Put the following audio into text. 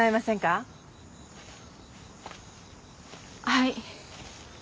はい。